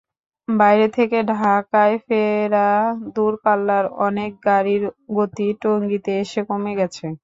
বাইরে থেকে ঢাকায় ফেরা দূরপাল্লার অনেক গাড়ির গতি টঙ্গীতে এসে কমে গেছে।